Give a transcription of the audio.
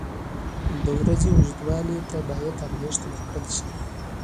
• د ورځې اوږدوالي ته باید ارزښت ورکړل شي.